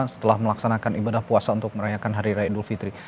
setelah melaksanakan ibadah puasa untuk merayakan hari raya idul fitri